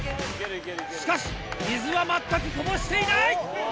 しかし水は全くこぼしていない！